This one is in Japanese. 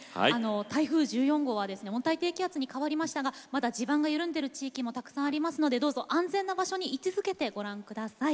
台風１４号は温帯低気圧に変わりましたがまだ地盤が緩んでる地域がたくさんありますのでどうぞ安全な場所にい続けてご覧ください。